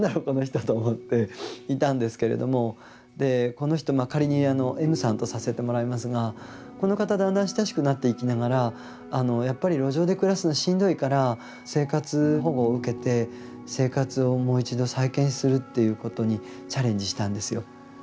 この人」と思っていたんですけれどもこの人仮にＭさんとさせてもらいますがこの方だんだん親しくなっていきながらやっぱり路上で暮らすのしんどいから生活保護を受けて生活をもう一度再建するっていうことにチャレンジしたんですよ。